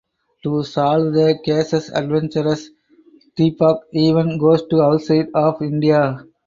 To solve the cases adventurous Dipak even goes to outside of India.